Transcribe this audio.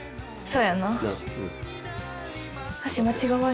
そうやな。